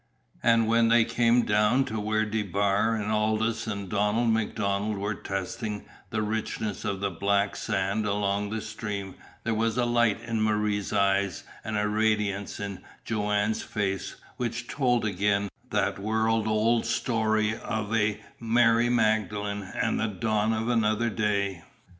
And when they came down to where DeBar and Aldous and Donald MacDonald were testing the richness of the black sand along the stream there was a light in Marie's eyes and a radiance in Joanne's face which told again that world old story of a Mary Magdalene and the dawn of another Day.